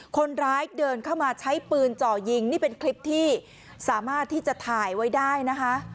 คนร้ายเดินเข้ามาใช้ปืนจ่อยิงนี่เป็นคลิปที่สามารถที่จะถ่ายไว้ได้นะคะ